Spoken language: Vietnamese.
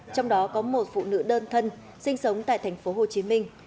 trong đó có một phụ nữ đơn thân sinh sống tại thành phố hồ chí minh